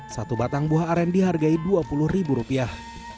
satu batang buah aren dihargai dua puluh ribu rupiah